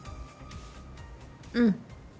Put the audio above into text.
うん。